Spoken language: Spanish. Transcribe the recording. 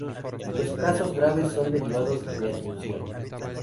Los casos graves son derivados a Asunción.